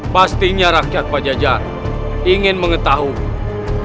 pastinya rakyat pajajar ingin mengetahui